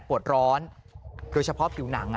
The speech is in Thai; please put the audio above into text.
อารมณ์ไม่ดีเพราะว่าอะไรฮะ